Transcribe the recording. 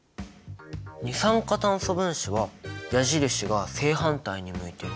二酸化炭素分子は矢印が正反対に向いている。